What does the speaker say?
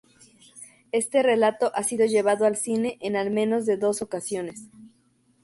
Este relato ha sido llevado al cine en al menos de dos ocasiones.